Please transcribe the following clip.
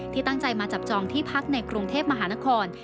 ตั้งใจมาจับจองที่พักในกรุงเทพมหานคร